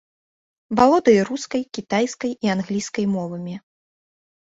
Валодае рускай, кітайскай і англійскай мовамі.